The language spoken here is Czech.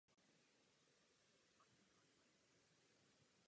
Musíme brát v úvahu stanovisko Účetního dvora.